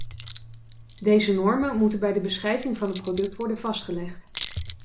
Deze normen moeten bij de beschrijving van het product worden vastgelegd.